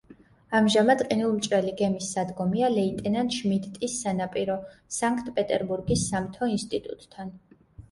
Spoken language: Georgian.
ამჟამად ყინულმჭრელი გემის სადგომია ლეიტენანტ შმიდტის სანაპირო სანქტ-პეტერბურგის სამთო ინსტიტუტთან.